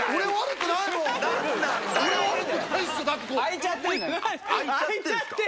開いちゃってんのよ。